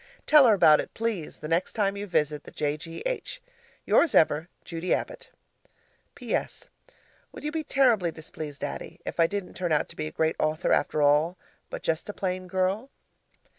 Tell her about it, please, the next time you visit the J. G. H. Yours ever, Judy Abbott PS. Would you be terribly displeased, Daddy, if I didn't turn out to be a Great Author after all, but just a Plain Girl?